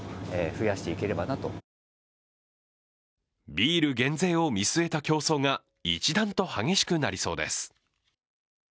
ビール減税を見据えた競争が一段と激しくなりそうです。